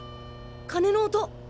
鐘の音！